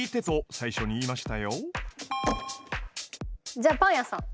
じゃあパン屋さん。